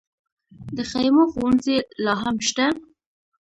د خیمو ښوونځي لا هم شته؟